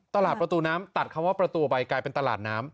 ตลาดประตูน้ำตัดคำว่าประตูไปกลายเป็นตลาดน้ำ